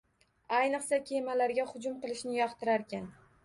Ayniqsa, kemalarga hujum qilishni yoqtirarkan